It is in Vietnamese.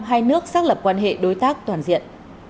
hai nước xác lập quan hệ đối tác toàn diện